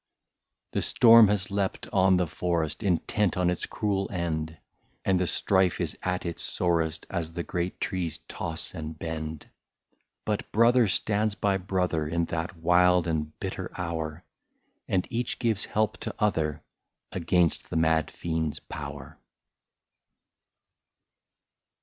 The storm has leapt on the forest, Intent on its cruel end, And the strife is at its sorest, As the great trees toss and bend. But brother stands by brother, In that wild and bitter hour. And each gives help to other, Against the mad fiend's power.